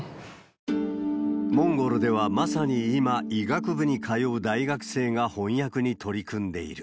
モンゴルではまさに今、医学部に通う大学生が翻訳に取り組んでいる。